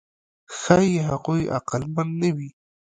ښایي هغوی عقلمن نه وي.